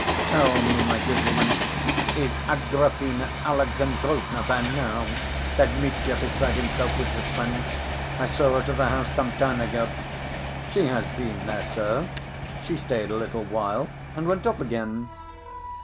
"Tell me, my good woman, is Agrafena Alexandrovna there now?" said Mitya, beside himself with suspense. "I saw her to the house some time ago." "She has been there, sir. She stayed a little while, and went off again."